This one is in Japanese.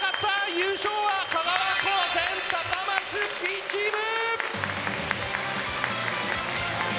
優勝は香川高専高松Ｂチーム！